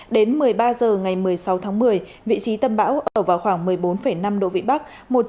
đến một mươi ba h ngày một mươi sáu tháng một mươi vị trí tâm bão ở vào khoảng một mươi bốn năm độ vĩ bắc